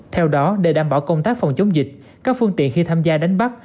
theo đó để đảm bảo công tác phòng chống dịch các phương tiện khi tham gia đánh bắt